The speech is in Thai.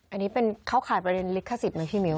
อันนี้เป็นเข้าข่ายประเด็นลิขสิทธิไหมพี่มิ้